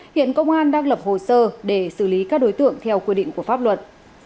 hiện công an đang lập hồ sơ để xử lý các đối tượng theo quy định của pháp luật